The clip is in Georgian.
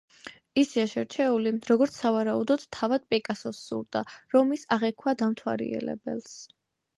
ისეა შერჩეული, როგორც სავარაუდოდ თავად პიკასოს სურდა, რომ ის აღექვა დამთვალიერებელს.